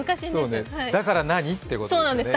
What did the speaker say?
だから何？ってことですよね